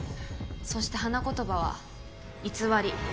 そして花言葉は偽り。